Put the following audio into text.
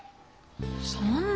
そんな。